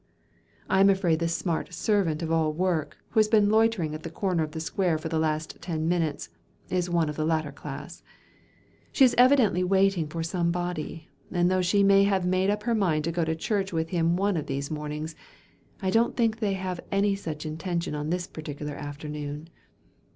I am afraid the smart servant of all work, who has been loitering at the corner of the square for the last ten minutes, is one of the latter class. She is evidently waiting for somebody, and though she may have made up her mind to go to church with him one of these mornings, I don't think they have any such intention on this particular afternoon.